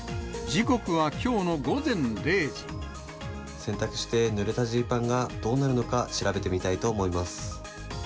洗濯してぬれたジーパンがどうなるのか、調べてみたいと思います。